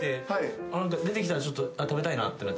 出てきたらちょっと食べたいなって。